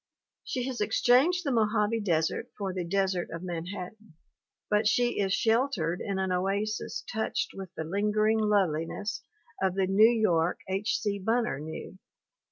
She has exchanged the Mojave desert for the desert of Manhattan, but she is shel tered in an oasis touched with the lingering loveli ness of the New York H. C. Bunner knew.